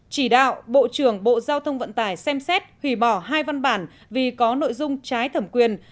chỉ đạo bộ trưởng bộ giao thông vận tải xem xét hủy bỏ hai văn bản vì có nội dung trái thẩm quyền